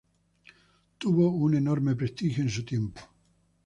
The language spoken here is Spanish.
Tuvo un enorme prestigio en su tiempo.